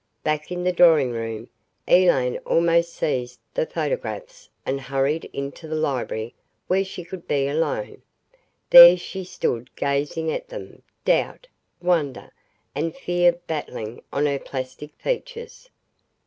Back in the drawing room, Elaine almost seized the photographs and hurried into the library where she could be alone. There she stood gazing at them doubt, wonder, and fear battling on her plastic features.